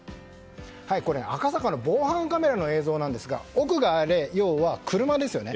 赤坂の防犯カメラ映像なんですが奥が、要は車ですよね。